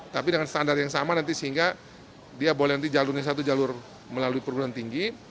tapi dengan standar yang sama nanti sehingga dia boleh nanti jalurnya satu jalur melalui perguruan tinggi